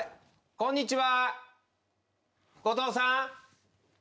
こんにちは。